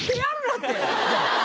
って